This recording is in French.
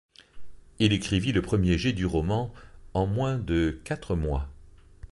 Il écrivit le premier jet du roman en moins de quatre mois.